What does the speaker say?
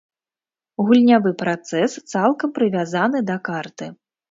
Гульнявы працэс цалкам прывязаны да карты.